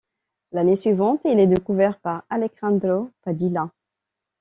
L'année suivante, il est découvert par Alejandro Padilla.